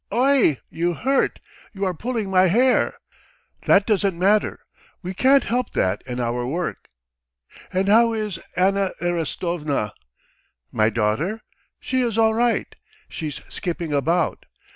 Oy, you hurt! You are pulling my hair." "That doesn't matter. We can't help that in our work. And how is Anna Erastovna?" "My daughter? She is all right, she's skipping about.